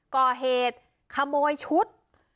ก่อเหตุขโมยชุด